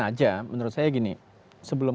aja menurut saya gini sebelum